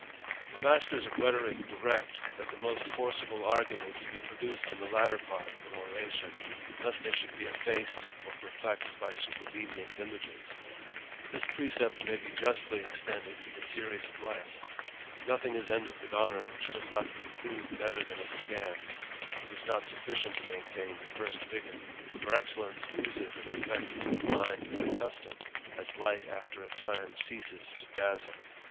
The masters of rhetorick direct, that the most fore arguments be produced in the latter part of an oration, they should be effaced or perplexed by supervenient imaj This precept may be justly extended to the series of 1 Nothing is £uded with honour, whidiu4Qgs ^tjososl' y^\\t^T f^on \\ v>agft*^ It is not sufficient to maintain first vigour ; for excellence loses its effect upon the mind custom, as light after a time ceases to dazzle.